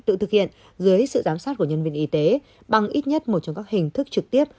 tự thực hiện dưới sự giám sát của nhân viên y tế bằng ít nhất một trong các hình thức trực tiếp